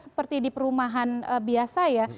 seperti di perumahan biasa ya